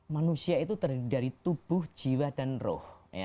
manusia itu terdiri dari tubuh jiwa dan ruh